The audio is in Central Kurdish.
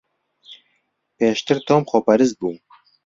پێشتر تۆم خۆپەرست بوو.